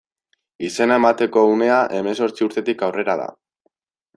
Izena emateko unea hemezortzi urtetik aurrera da.